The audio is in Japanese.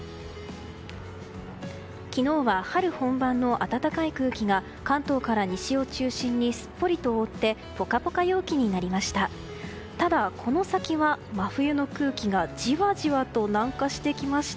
昨日は春本番の暖かい空気が関東から西を中心にすっぽりと覆ってポカポカ陽気となりました。